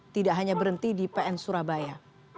tidak hanya berhenti di pn surabaya